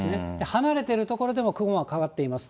離れている所でも雲がかかっています。